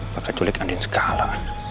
pakai tulik andin skala